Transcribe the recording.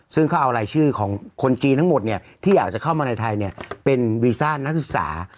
ซึ่งเขาเอาลายชื่อของคนจีนทั้งหมดเนี่ยที่อยากจะเข้ามารายไทยเนี่ยเป็นวีซ่านักศึกษาใคร